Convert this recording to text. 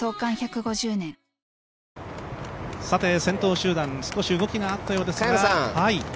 先頭集団、少し動きがあったようですが。